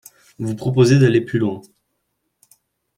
Vous proposez d’aller plus loin.